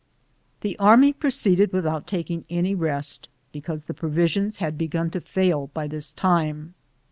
The army proceeded without taking any rest, because the provisions had begun to fail by this time.